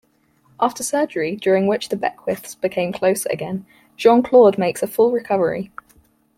After surgery, during which the Beckwiths become closer again, Jean-Claude makes a full recovery.